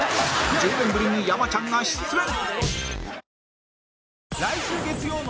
１０年ぶりに山ちゃんが出演